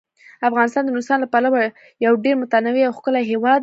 افغانستان د نورستان له پلوه یو ډیر متنوع او ښکلی هیواد دی.